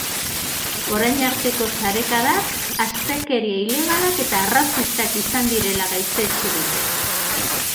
Orain arteko sarekadak, astakeria ilegalak eta arrazistak izan direla gaitzetsi dute.